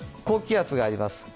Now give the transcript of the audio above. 高気圧があります。